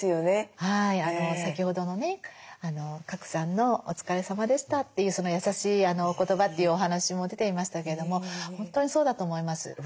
先ほどのね賀来さんの「お疲れさまでした」っていうその優しいお言葉というお話も出ていましたけれども本当にそうだと思います。